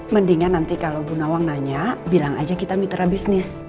mendingan nanti kalau bu nawang nanya bilang aja kita mitra bisnis